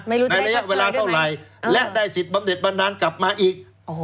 ไม่รู้จะได้เงินเวลาเท่าไหร่และได้สิทธิ์บำเด็ดบันดาลกลับมาอีกอ๋อ